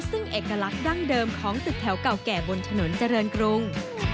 ซึ่งเอกลักษณ์ดั้งเดิมของตึกแถวเก่าแก่บนถนนเจริญกรุง